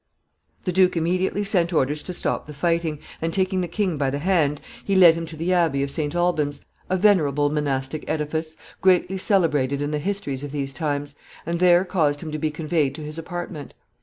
] The duke immediately sent orders to stop the fighting, and, taking the king by the hand, he led him to the Abbey of St. Alban's, a venerable monastic edifice, greatly celebrated in the histories of these times, and there caused him to be conveyed to his apartment.